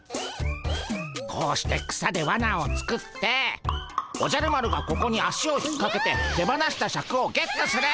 こうして草でわなを作っておじゃる丸がここに足を引っかけて手放したシャクをゲットする。